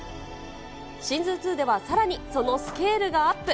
シーズン２ではさらにそのスケールがアップ。